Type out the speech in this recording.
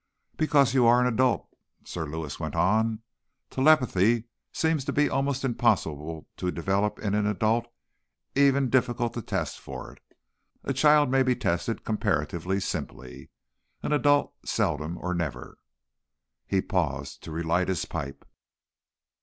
"Because you are an adult," Sir Lewis went on. "Telepathy seems to be almost impossible to develop in an adult, even difficult to test for it. A child may be tested comparatively simply; an adult, seldom or never." He paused to relight his pipe.